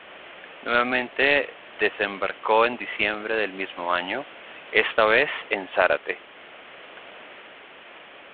Nuevamente desembarcó en diciembre del mismo año, esta vez en Zárate.